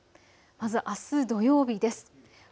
まずあす土曜日です。